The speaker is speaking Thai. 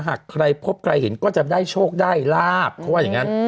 หากใครพบใครเห็นก็จะได้โชคได้ลาบเขาว่าอย่างนั้น